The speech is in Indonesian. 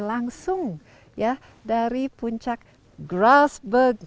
langsung ya dari puncak grassberg